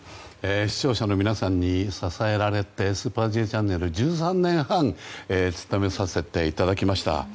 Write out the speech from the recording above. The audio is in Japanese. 視聴者の皆さんに支えられて「スーパーＪチャンネル」１３年半務めさせていただきました。